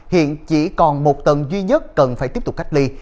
hiện chỉ còn một tầng duy nhất cần phải tiếp tục cách ly